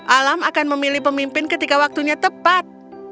alam akan memilih pemimpin ketika waktunya tepat